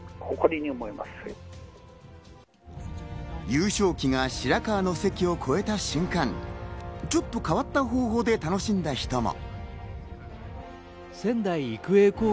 優勝旗が白河の関を越えた瞬間、ちょっと変わった方法で楽しんだ人も。